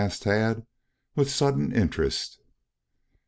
asked Tad, with sudden interest.